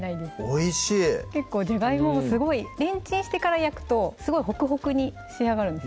おいしい結構じゃがいももすごいレンチンしてから焼くとすごいホクホクに仕上がるんです